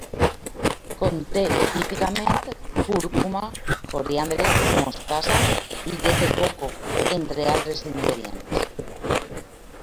Conté típicament cúrcuma, coriandre, mostassa i llet de coco, entre altres ingredients.